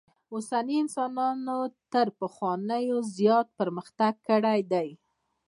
اوسني انسانانو تر پخوانیو زیات پرمختک کړی دئ.